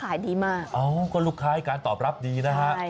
ก็ขายดีมากก็ลูกค้าให้การตอบรับดีนะฮะ